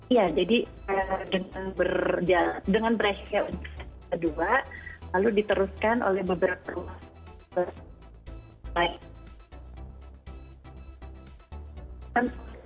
iya jadi dengan presnya dua lalu diteruskan oleh beberapa ada yang